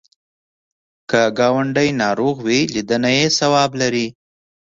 که ګاونډی ناروغ وي، لیدنه یې ثواب لري